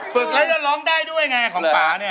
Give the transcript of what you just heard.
ฝึกแล้วจะร้องได้ด้วยไงของป่าเนี่ย